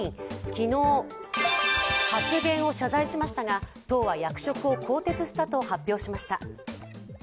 昨日、発言を謝罪しましたが党は役職を更迭したと発表しました。